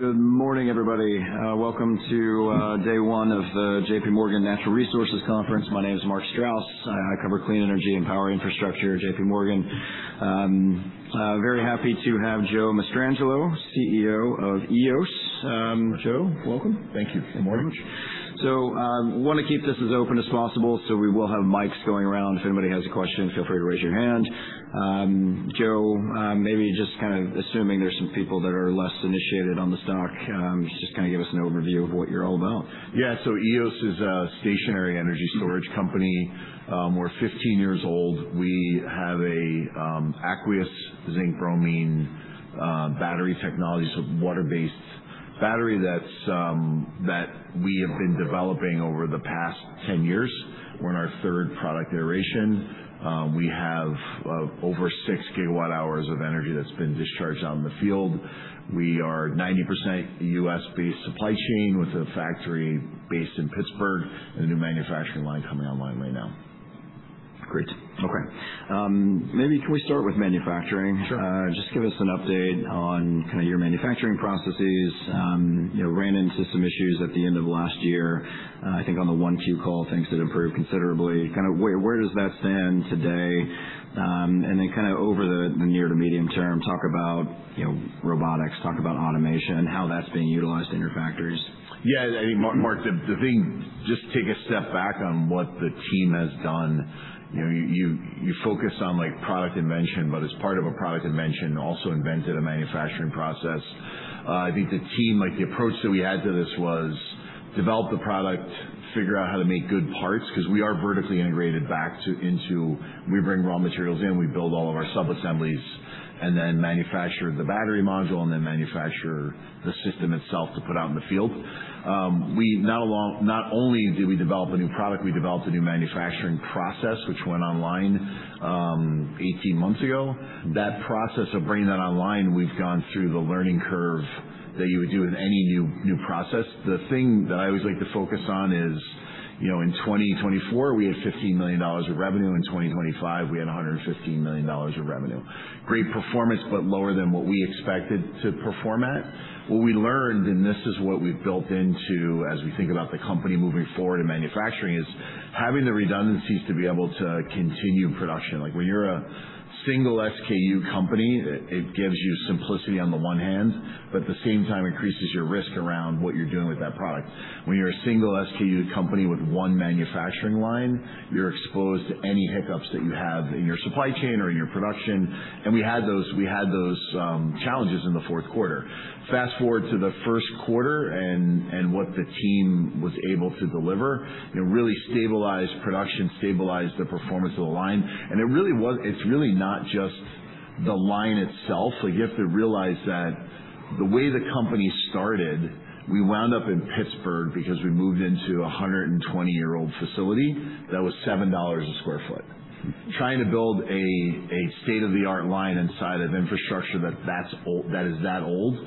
Good morning, everybody. Welcome to day one of the J.P. Morgan Natural Resources Conference. My name is Mark Strouse. I cover clean energy and power infrastructure at J.P. Morgan. Very happy to have Joe Mastrangelo, CEO of Eos. Joe, welcome. Thank you. Good morning. Want to keep this as open as possible, so we will have mics going around. If anybody has a question, feel free to raise your hand. Joe, maybe just kind of assuming there's some people that are less initiated on the stock, just give us an overview of what you're all about. Yeah. Eos is a stationary energy storage company. We're 15 years old. We have an aqueous zinc-bromine battery technology, so water-based battery that we have been developing over the past 10 years. We're in our third product iteration. We have over 6 gigawatt hours of energy that's been discharged out in the field. We are 90% U.S.-based supply chain with a factory based in Pittsburgh, and a new manufacturing line coming online right now. Great. Okay. Maybe can we start with manufacturing? Sure. Just give us an update on your manufacturing processes. Ran into some issues at the end of last year. I think on the 1Q call, things had improved considerably. Where does that stand today? Then over the near to medium term, talk about robotics, talk about automation, and how that's being utilized in your factories. Yeah. I mean, Mark, the thing, just take a step back on what the team has done. You focus on product invention, but as part of a product invention, also invented a manufacturing process. I think the team, the approach that we had to this was develop the product, figure out how to make good parts because we are vertically integrated back into, we bring raw materials in, we build all of our subassemblies, and then manufacture the battery module, and then manufacture the system itself to put out in the field. Not only did we develop a new product, we developed a new manufacturing process, which went online 18 months ago. That process of bringing that online, we've gone through the learning curve that you would do in any new process. The thing that I always like to focus on is, in 2024, we had $15 million of revenue. In 2025, we had $115 million of revenue. Great performance, but lower than what we expected to perform at. What we learned, and this is what we've built into as we think about the company moving forward in manufacturing, is having the redundancies to be able to continue production. When you're a single SKU company, it gives you simplicity on the one hand, but at the same time increases your risk around what you're doing with that product. When you're a single SKU company with one manufacturing line, you're exposed to any hiccups that you have in your supply chain or in your production, and we had those challenges in the fourth quarter. Fast-forward to the first quarter and what the team was able to deliver, really stabilized production, stabilized the performance of the line, and it's really not just the line itself. You have to realize that the way the company started, we wound up in Pittsburgh because we moved into a 120-year-old facility that was $7 a square foot. Trying to build a state-of-the-art line inside of infrastructure that is that old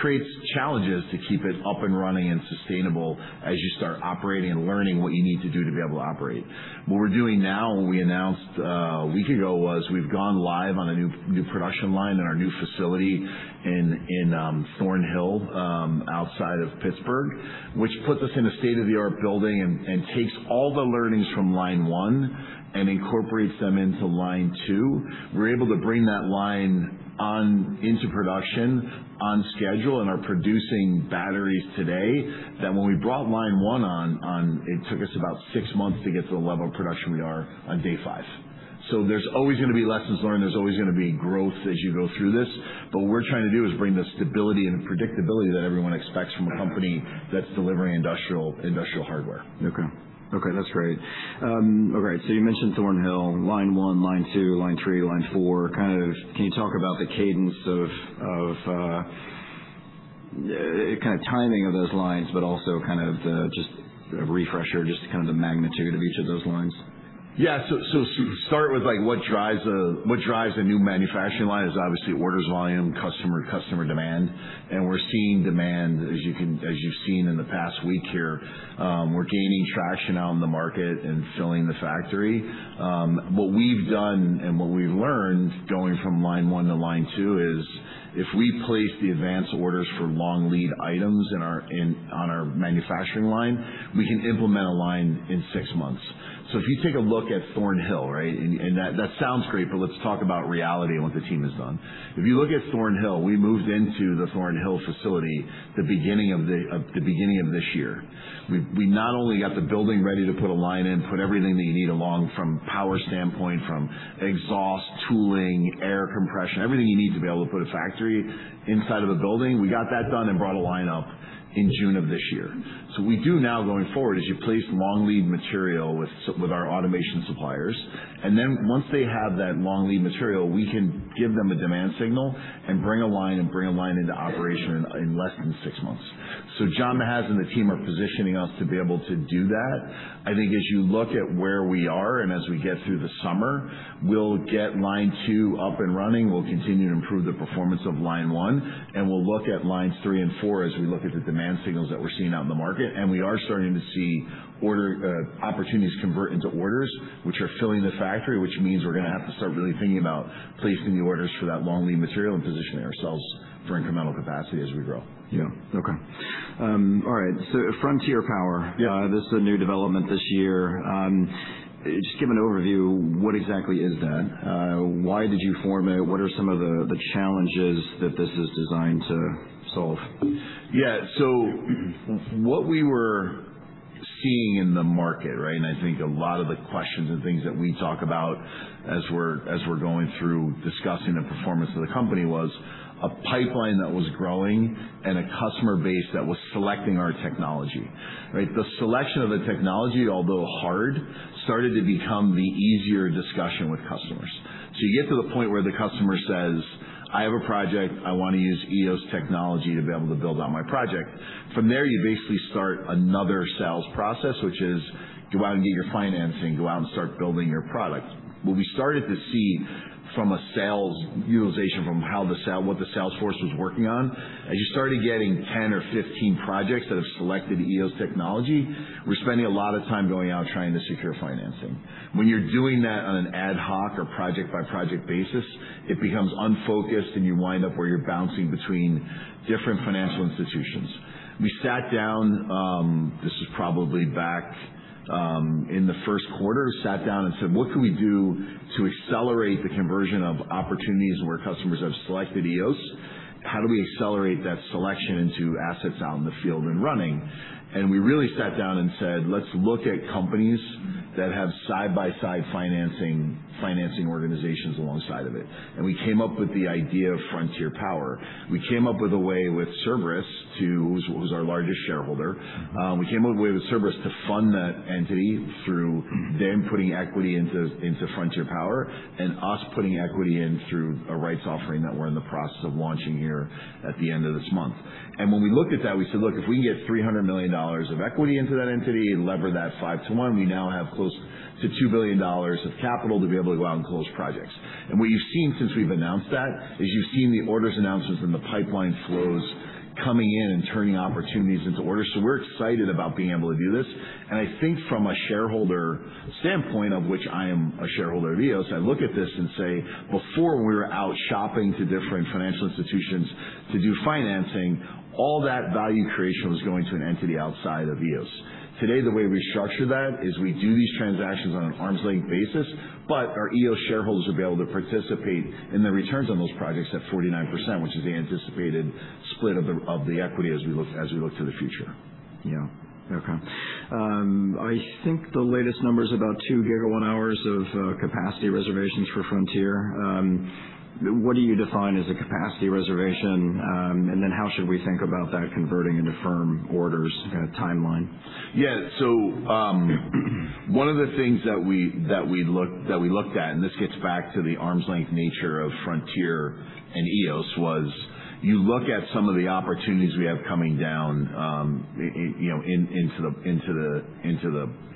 creates challenges to keep it up and running and sustainable as you start operating and learning what you need to do to be able to operate. What we're doing now, what we announced a week ago, was we've gone live on a new production line in our new facility in Thorn Hill, outside of Pittsburgh, which puts us in a state-of-the-art building and takes all the learnings from line 1 and incorporates them into line 2. We're able to bring that line into production on schedule and are producing batteries today, that when we brought line 1 on, it took us about 6 months to get to the level of production we are on day 5. There's always going to be lessons learned. There's always going to be growth as you go through this. What we're trying to do is bring the stability and predictability that everyone expects from a company that's delivering industrial hardware. Okay. That's great. You mentioned Thorn Hill, line 1, line 2, line 3, line 4. Can you talk about the cadence of timing of those lines, also just a refresher, just the magnitude of each of those lines? Start with what drives a new manufacturing line is obviously orders volume, customer demand. We're seeing demand, as you've seen in the past week here. We're gaining traction out in the market and filling the factory. What we've done and what we've learned going from line 1 to line 2 is if we place the advance orders for long lead items on our manufacturing line, we can implement a line in 6 months. If you take a look at Thorn Hill, right? That sounds great, let's talk about reality and what the team has done. If you look at Thorn Hill, we moved into the Thorn Hill facility the beginning of this year. We not only got the building ready to put a line in, put everything that you need along from power standpoint, from exhaust, tooling, air compression, everything you need to be able to put a factory inside of a building. We got that done and brought a line up in June of this year. What we do now going forward is you place long lead material with our automation suppliers. Then once they have that long lead material, we can give them a demand signal and bring a line into operation in less than six months. John Mahaz and the team are positioning us to be able to do that. I think as you look at where we are and as we get through the summer, we'll get line two up and running. We'll continue to improve the performance of line one, and we'll look at lines three and four as we look at the demand signals that we're seeing out in the market. We are starting to see opportunities convert into orders, which are filling the factory, which means we're going to have to start really thinking about placing the orders for that long lead material and positioning ourselves for incremental capacity as we grow. Yeah. Okay. All right. Frontier Power. Yeah. This is a new development this year. Just give an overview, what exactly is that? Why did you form it? What are some of the challenges that this is designed to solve? What we were seeing in the market, right? I think a lot of the questions and things that we talk about as we're going through discussing the performance of the company was a pipeline that was growing and a customer base that was selecting our technology, right? The selection of the technology, although hard, started to become the easier discussion with customers. You get to the point where the customer says, "I have a project. I want to use Eos technology to be able to build out my project." From there, you basically start another sales process, which is go out and get your financing, go out and start building your product. What we started to see from a sales utilization, from what the sales force was working on, as you started getting 10 or 15 projects that have selected Eos technology, we're spending a lot of time going out trying to secure financing. When you're doing that on an ad hoc or project-by-project basis, it becomes unfocused, and you wind up where you're bouncing between different financial institutions. We sat down, this was probably back in the first quarter, sat down and said, "What can we do to accelerate the conversion of opportunities where customers have selected Eos? How do we accelerate that selection into assets out in the field and running?" We really sat down and said, "Let's look at companies that have side-by-side financing organizations alongside of it." We came up with the idea of Frontier Power. We came up with a way with Cerberus, who's our largest shareholder. We came up with a way with Cerberus to fund that entity through them putting equity into Frontier Power and us putting equity in through a rights offering that we're in the process of launching here at the end of this month. When we looked at that, we said, look, if we can get $300 million of equity into that entity and lever that 5 to 1, we now have close to $2 billion of capital to be able to go out and close projects. What you've seen since we've announced that is you've seen the orders announcements and the pipeline flows coming in and turning opportunities into orders. We're excited about being able to do this. I think from a shareholder standpoint, of which I am a shareholder of Eos, I look at this and say, before we were out shopping to different financial institutions to do financing, all that value creation was going to an entity outside of Eos. Today, the way we structure that is we do these transactions on an arm's length basis, but our Eos shareholders will be able to participate in the returns on those projects at 49%, which is the anticipated split of the equity as we look to the future. Yeah. Okay. I think the latest number is about 2 gigawatt hours of capacity reservations for Frontier. What do you define as a capacity reservation? How should we think about that converting into firm orders kind of timeline? Yeah. One of the things that we looked at, and this gets back to the arm's length nature of Frontier and Eos, was you look at some of the opportunities we have coming down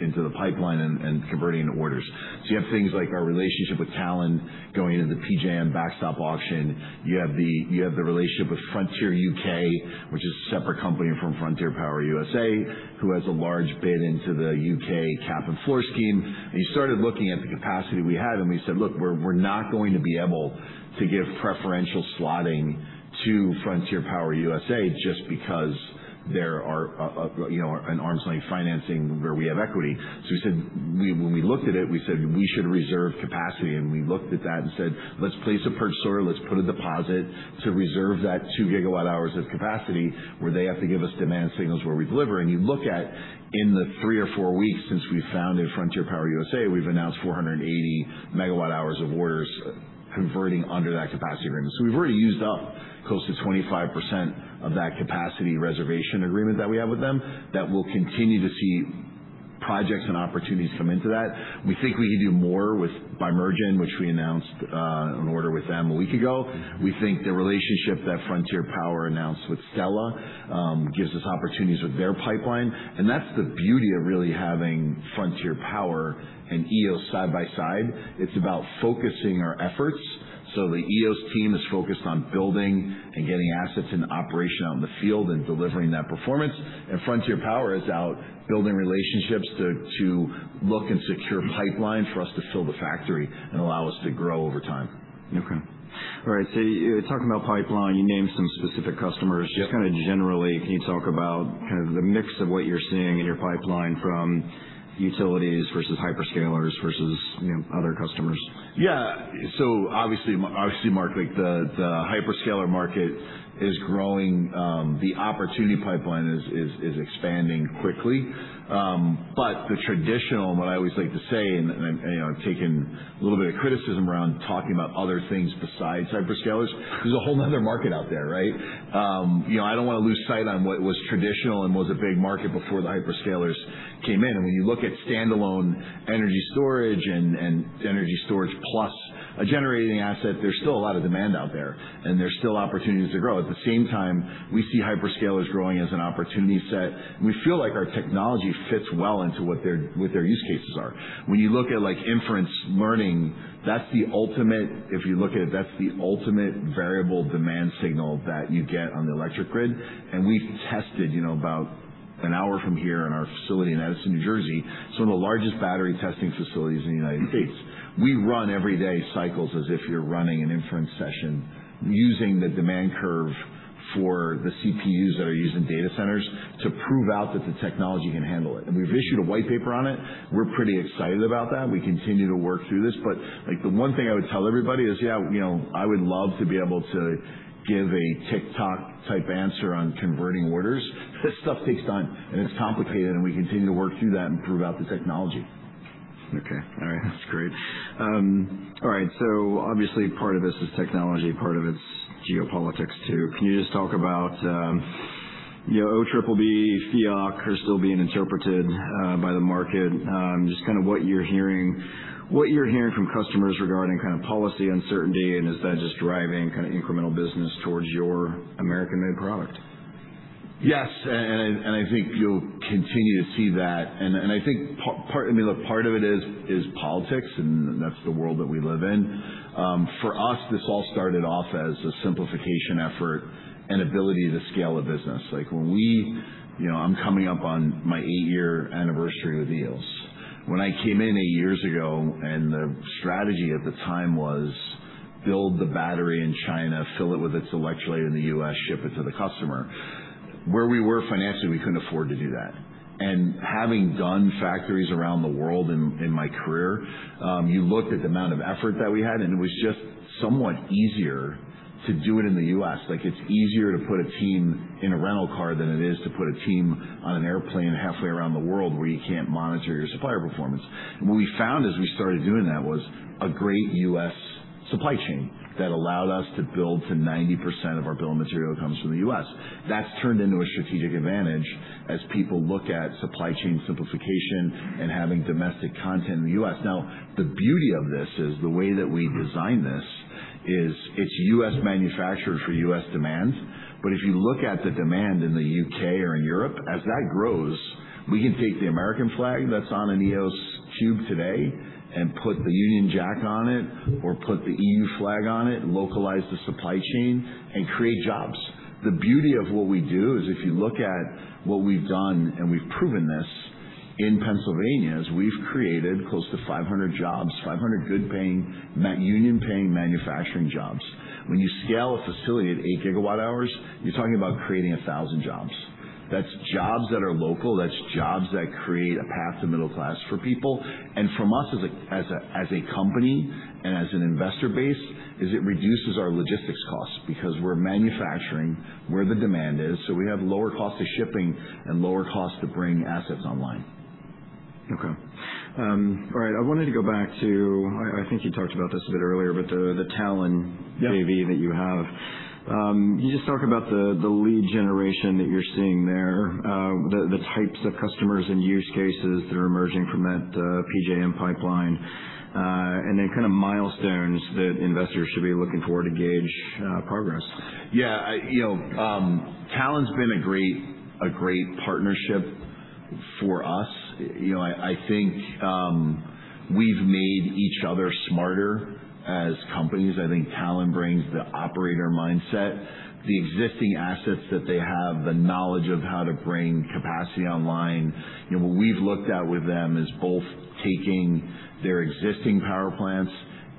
into the pipeline and converting to orders. You have things like our relationship with Talen Energy going into the PJM backstop auction. You have the relationship with Frontier UK, which is a separate company from Frontier Power USA, who has a large bid into the UK cap and floor scheme. You started looking at the capacity we had, and we said, look, we're not going to be able to give preferential slotting to Frontier Power USA just because there are an arm's length financing where we have equity. When we looked at it, we said we should reserve capacity, and we looked at that and said, "Let's place a purchase order. Let's put a deposit to reserve that 2 gigawatt hours of capacity where they have to give us demand signals where we deliver." You look at in the 3 or 4 weeks since we founded Frontier Power USA, we've announced 480 megawatt hours of orders converting under that capacity agreement. We've already used up close to 25% of that capacity reservation agreement that we have with them that we'll continue to see projects and opportunities come into that. We think we can do more Bimergen, which we announced an order with them a week ago. We think the relationship that Frontier Power announced with Stella gives us opportunities with their pipeline. That's the beauty of really having Frontier Power and Eos side by side. It's about focusing our efforts. The Eos team is focused on building and getting assets into operation out in the field and delivering that performance. Frontier Power is out building relationships to look and secure pipeline for us to fill the factory and allow us to grow over time. Okay. All right. Talking about pipeline, you named some specific customers. Yeah. Just kind of generally, can you talk about kind of the mix of what you're seeing in your pipeline from utilities versus hyperscalers versus other customers? Yeah. Obviously, Mark, the hyperscaler market is growing. The opportunity pipeline is expanding quickly. The traditional, what I always like to say, and I've taken a little bit of criticism around talking about other things besides hyperscalers, there's a whole another market out there, right? I don't want to lose sight on what was traditional and was a big market before the hyperscalers came in. When you look at standalone energy storage and energy storage plus a generating asset, there's still a lot of demand out there, and there's still opportunities to grow. At the same time, we see hyperscalers growing as an opportunity set, and we feel like our technology fits well into what their use cases are. When you look at inference learning, if you look at it, that's the ultimate variable demand signal that you get on the electric grid. We've tested about an hour from here in our facility in Edison, N.J., some of the largest battery testing facilities in the U.S. We run every day cycles as if you're running an inference session using the demand curve for the CPUs that are used in data centers to prove out that the technology can handle it. We've issued a white paper on it. We're pretty excited about that. We continue to work through this, the one thing I would tell everybody is, yeah, I would love to be able to give a TikTok type answer on converting orders. This stuff takes time and it's complicated, and we continue to work through that and prove out the technology. Okay. All right. That's great. Obviously, part of this is technology, part of it's geopolitics, too. Can you just talk about OBBB, FEOC are still being interpreted by the market, just what you're hearing from customers regarding policy uncertainty, and is that just driving incremental business towards your American-made product? Yes, I think you'll continue to see that. I think part of it is politics, and that's the world that we live in. For us, this all started off as a simplification effort and ability to scale a business. I'm coming up on my eight-year anniversary with Eos. When I came in eight years ago, the strategy at the time was build the battery in China, fill it with its electrolyte in the U.S., ship it to the customer. Where we were financially, we couldn't afford to do that. Having done factories around the world in my career, you looked at the amount of effort that we had, and it was just somewhat easier to do it in the U.S. It's easier to put a team in a rental car than it is to put a team on an airplane halfway around the world where you can't monitor your supplier performance. What we found as we started doing that was a great U.S. supply chain that allowed us to build to 90% of our bill of material comes from the U.S. That's turned into a strategic advantage as people look at supply chain simplification and having domestic content in the U.S. The beauty of this is the way that we designed this is it's U.S. manufactured for U.S. demands. If you look at the demand in the U.K. or in Europe, as that grows, we can take the American flag that's on an Eos tube today and put the Union Jack on it or put the EU flag on it and localize the supply chain and create jobs. The beauty of what we do is if you look at what we've done, and we've proven this in Pennsylvania, is we've created close to 500 jobs, 500 good-paying, union-paying manufacturing jobs. When you scale a facility at eight gigawatt hours, you're talking about creating 1,000 jobs. That's jobs that are local. That's jobs that create a path to middle class for people. It reduces our logistics costs because we're manufacturing where the demand is, so we have lower cost of shipping and lower cost to bring assets online. Okay. All right. I wanted to go back to, I think you talked about this a bit earlier, but the Talen JV that you have. Can you just talk about the lead generation that you're seeing there, the types of customers and use cases that are emerging from that PJM pipeline, and then milestones that investors should be looking for to gauge progress? Yeah. Talen's been a great partnership for us. I think we've made each other smarter as companies. I think Talen brings the operator mindset, the existing assets that they have, the knowledge of how to bring capacity online. What we've looked at with them is both taking their existing power plants,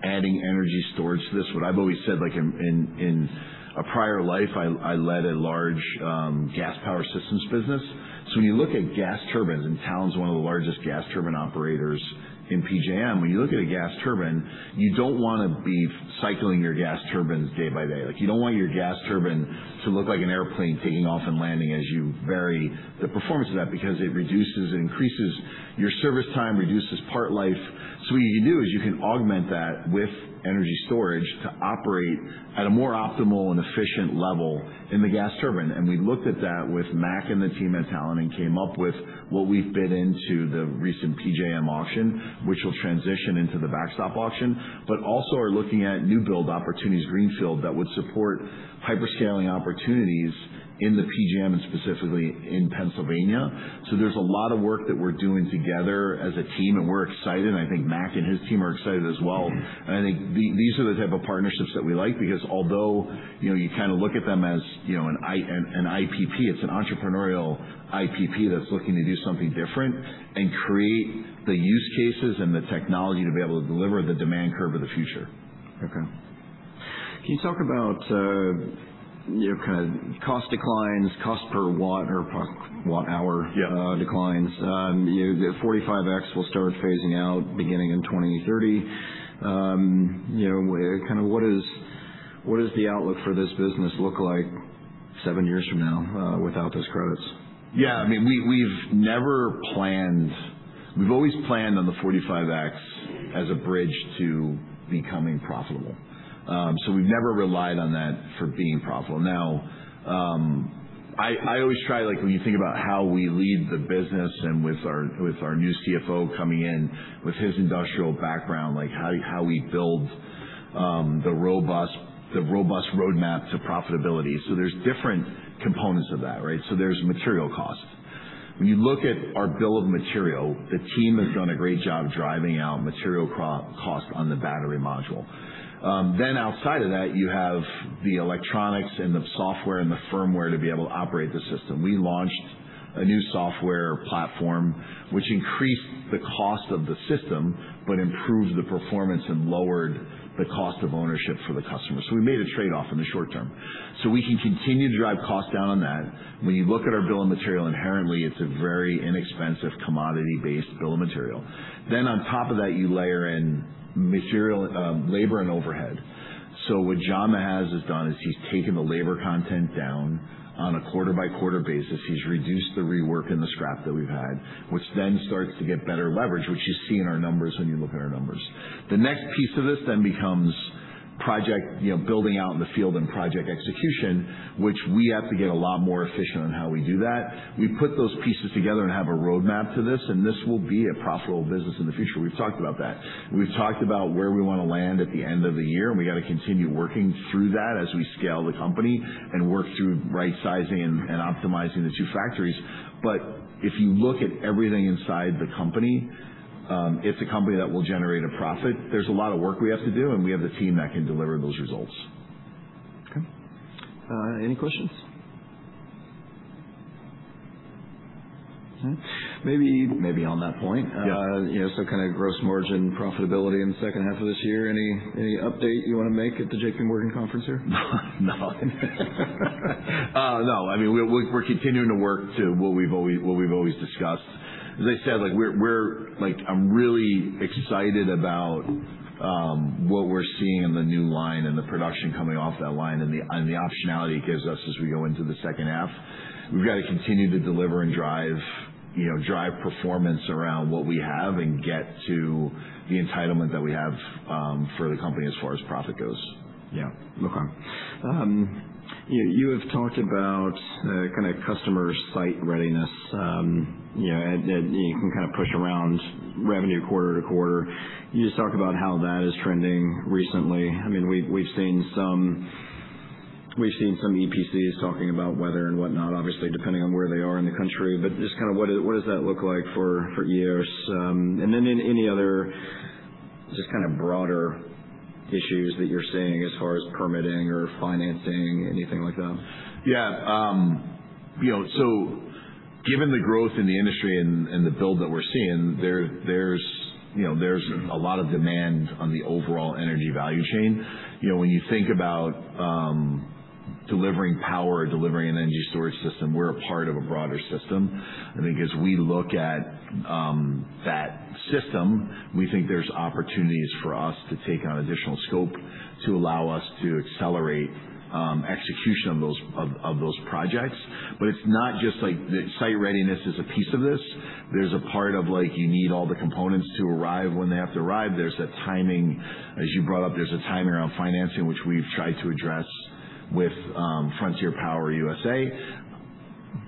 adding energy storage to this. What I've always said, in a prior life, I led a large gas power systems business. When you look at gas turbines, and Talen's one of the largest gas turbine operators in PJM. When you look at a gas turbine, you don't want to be cycling your gas turbines day by day. You don't want your gas turbine to look like an airplane taking off and landing as you vary the performance of that because it reduces and increases your service time, reduces part life. What you can do is you can augment that with energy storage to operate at a more optimal and efficient level in the gas turbine. We looked at that with Mac and the team at Talen and came up with what we've bid into the recent PJM auction, which will transition into the backstop auction. Also are looking at new build opportunities, greenfield, that would support hyper scaling opportunities in the PJM and specifically in Pennsylvania. There's a lot of work that we're doing together as a team, and we're excited, and I think Mac and his team are excited as well. I think these are the type of partnerships that we like because although you look at them as an IPP, it's an entrepreneurial IPP that's looking to do something different and create the use cases and the technology to be able to deliver the demand curve of the future. Okay. Can you talk about cost declines, cost per watt or watt hour declines? Yeah. The 45X will start phasing out beginning in 2030. What does the outlook for this business look like seven years from now without those credits? Yeah. We've always planned on the 45X as a bridge to becoming profitable. We've never relied on that for being profitable. Now, I always try, when you think about how we lead the business and with our new CFO coming in with his industrial background, how we build the robust roadmap to profitability. There's different components of that, right? There's material cost. When you look at our bill of material, the team has done a great job driving out material cost on the battery module. Outside of that, you have the electronics and the software and the firmware to be able to operate the system. We launched a new software platform, which increased the cost of the system, but improved the performance and lowered the cost of ownership for the customer. We made a trade-off in the short term. We can continue to drive costs down on that. When you look at our bill of material, inherently, it is a very inexpensive commodity-based bill of material. On top of that, you layer in labor and overhead. What Jam has done is he has taken the labor content down on a quarter-by-quarter basis. He has reduced the rework and the scrap that we have had, which starts to get better leverage, which you see in our numbers when you look at our numbers. The next piece of this becomes building out in the field and project execution, which we have to get a lot more efficient on how we do that. We put those pieces together and have a roadmap to this, and this will be a profitable business in the future. We have talked about that. We have talked about where we want to land at the end of the year, and we have got to continue working through that as we scale the company and work through rightsizing and optimizing the two factories. If you look at everything inside the company, it is a company that will generate a profit. There is a lot of work we have to do, and we have the team that can deliver those results. Any questions? Maybe on that point. Yeah. Some kind of gross margin profitability in the second half of this year. Any update you want to make at the J.P. Morgan conference here? No. No. We're continuing to work to what we've always discussed. As I said, I'm really excited about what we're seeing in the new line and the production coming off that line and the optionality it gives us as we go into the second half. We've got to continue to deliver and drive performance around what we have and get to the entitlement that we have for the company as far as profit goes. Yeah. Okay. You have talked about customer site readiness. You can kind of push around revenue quarter-to-quarter. Can you just talk about how that is trending recently? We've seen some EPCs talking about weather and whatnot, obviously, depending on where they are in the country. Just what does that look like for Eos? Any other just kind of broader issues that you're seeing as far as permitting or financing, anything like that? Yeah. Given the growth in the industry and the build that we're seeing, there's a lot of demand on the overall energy value chain. When you think about delivering power or delivering an energy storage system, we're a part of a broader system. I think as we look at that system, we think there's opportunities for us to take on additional scope to allow us to accelerate execution of those projects. It's not just. Site readiness is a piece of this. There's a part of you need all the components to arrive when they have to arrive. As you brought up, there's a timing around financing, which we've tried to address with Frontier Power USA.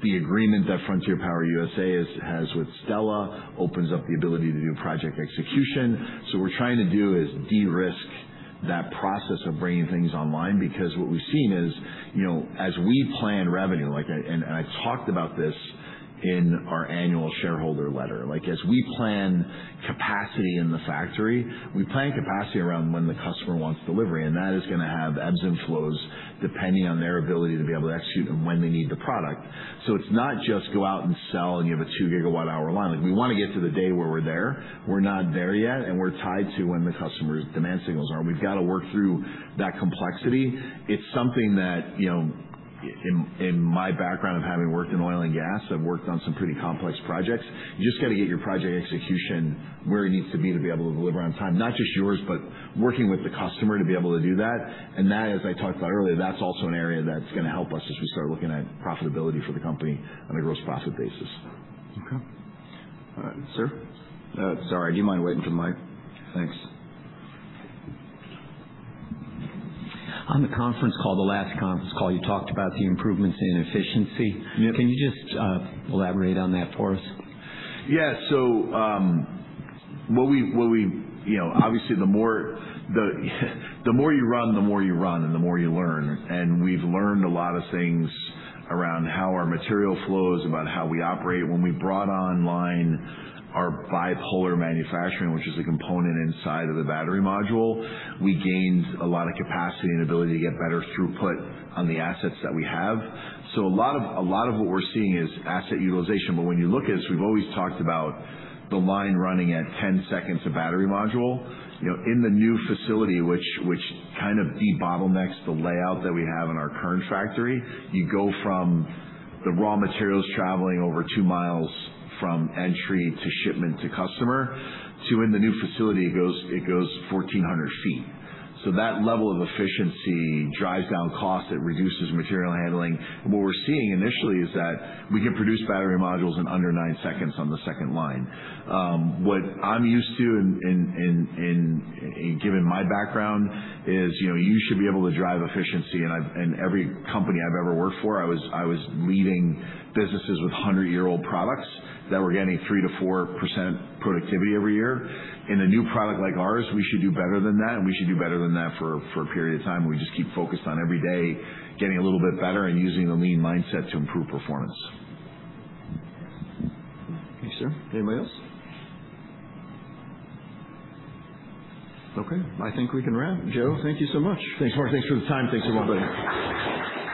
The agreement that Frontier Power USA has with Stella opens up the ability to do project execution. What we're trying to do is de-risk that process of bringing things online because what we've seen is as we plan revenue, and I talked about this in our annual shareholder letter. As we plan capacity in the factory, we plan capacity around when the customer wants delivery, and that is going to have ebbs and flows depending on their ability to be able to execute and when they need the product. It's not just go out and sell and you have a 2 gigawatt hour line. We want to get to the day where we're there. We're not there yet, and we're tied to when the customer's demand signals are. We've got to work through that complexity. It's something that in my background of having worked in oil and gas, I've worked on some pretty complex projects. You just got to get your project execution where it needs to be to be able to deliver on time. Not just yours, but working with the customer to be able to do that. That, as I talked about earlier, that's also an area that's going to help us as we start looking at profitability for the company on a gross profit basis. Okay. All right. Sir? Sorry, do you mind waiting for the mic? Thanks. On the conference call, the last conference call, you talked about the improvements in efficiency. Yeah. Can you just elaborate on that for us? Yeah. Obviously, the more you run, the more you run and the more you learn, we've learned a lot of things around how our material flows, about how we operate. When we brought online our bipolar manufacturing, which is a component inside of the battery module, we gained a lot of capacity and ability to get better throughput on the assets that we have. A lot of what we're seeing is asset utilization. When you look at us, we've always talked about the line running at 10 seconds a battery module. In the new facility, which kind of de-bottlenecks the layout that we have in our current factory, you go from the raw materials traveling over two miles from entry to shipment to customer, to in the new facility, it goes 1,400 feet. That level of efficiency drives down cost. It reduces material handling. What we're seeing initially is that we can produce battery modules in under nine seconds on the second line. What I'm used to, and given my background, is you should be able to drive efficiency. Every company I've ever worked for, I was leading businesses with 100-year-old products that were getting 3%-4% productivity every year. In a new product like ours, we should do better than that, and we should do better than that for a period of time, where we just keep focused on every day getting a little bit better and using a lean mindset to improve performance. Thank you, sir. Anybody else? Okay, I think we can wrap. Joe, thank you so much. Thanks, Mark. Thanks for the time. Thanks, everybody.